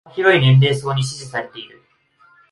幅広い年齢層に支持されてる